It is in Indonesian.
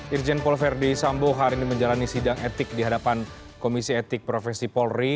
irjen pol verdi sambo hari ini menjalani sidang etik di hadapan komisi etik profesi polri